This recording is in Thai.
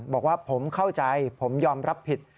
บอกว่าผมเข้าใจผมยอมรับผิด